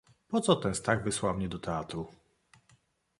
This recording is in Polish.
"Poco ten Stach wysłał mnie do teatru!..."